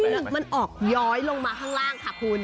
แล้วมันออกย้อยลงมาข้างล่างค่ะคุณ